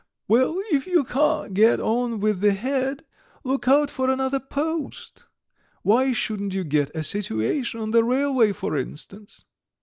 Well, if you can't get on with the Head, look out for another post. Why shouldn't you get a situation on the railway, for instance?